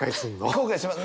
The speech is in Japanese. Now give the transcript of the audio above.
後悔します。